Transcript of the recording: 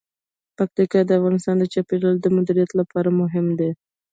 پکتیا د افغانستان د چاپیریال د مدیریت لپاره مهم دي.